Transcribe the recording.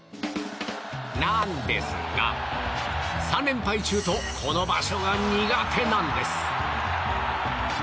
なんですが３連敗中とこの場所が苦手なんです。